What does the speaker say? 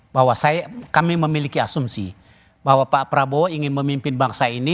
bahwa kami memiliki asumsi bahwa pak prabowo ingin memimpin bangsa ini